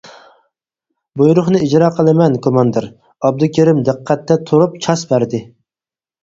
بۇيرۇقنى ئىجرا قىلىمەن كوماندىر-ئابدۇكېرىم دىققەتتە تۇرۇپ چاس بەردى.